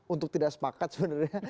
untuk tidak sepakat sebenarnya